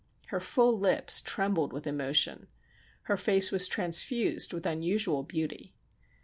Her full lips trembled with emotion. Her face was transfused with unusual beauty.